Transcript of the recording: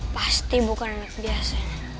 pasti bukan anak biasa